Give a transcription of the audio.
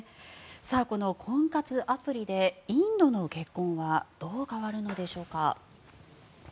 この婚活アプリでインドの結婚はどう変わるのでしょうか。